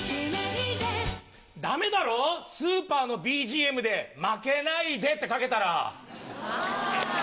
だめだろう、スーパーのＢＧＭで、まけないでってかけたら。